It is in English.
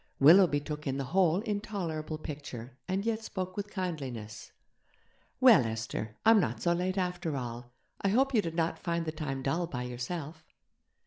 Willoughby took in the whole intolerable picture, and yet spoke with kindliness. 'Well, Esther! I'm not so late, after all. I hope you did not find the time dull by yourself?'